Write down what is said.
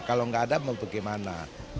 kalau nggak ada mau bagaimana